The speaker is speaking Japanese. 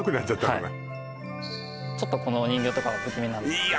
はいちょっとこのお人形とか不気味なんですいや